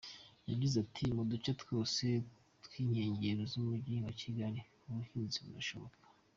Yagize ati mu duce twose tw’inkengero z’Umujyi wa Kigali, ubuhinzi burashoboka.